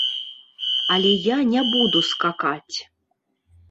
Але я не буду скакаць.